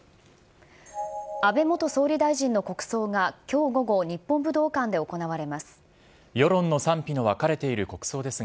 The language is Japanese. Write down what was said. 安倍元総理大臣の国葬がきょう午後、日本武道館で行われます。